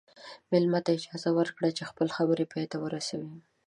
مېلمه ته اجازه ورکړه چې خپله خبره پای ته ورسوي.